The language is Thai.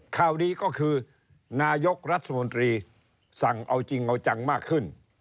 ข่าวดีก็คือนายกรัฐมนตรีสั่งเอาจริงเอาจังมากขึ้น